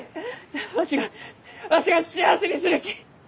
わしがわしが幸せにするき！